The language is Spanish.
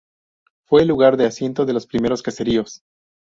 Fue el lugar de asiento de los primeros caseríos.